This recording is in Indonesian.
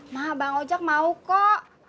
mak bang ojak mau kok